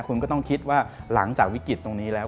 คุณก็ต้องคิดว่าหลังจากวิกฤตตรงนี้แล้ว